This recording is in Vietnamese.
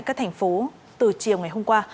các thành phố từ chiều ngày hôm qua